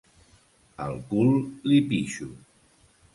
Al cul li pixo.